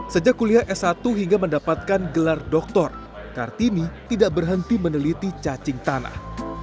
sejak kuliah s satu hingga mendapatkan gelar doktor kartini tidak berhenti meneliti cacing tanah